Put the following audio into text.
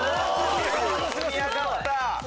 積み上がった！